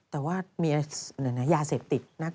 แต่ว่ามียาเสพติด